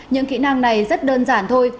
những kỹ năng này rất đơn giản thôi